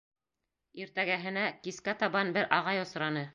Иртәгәһенә, кискә табан бер ағай осраны.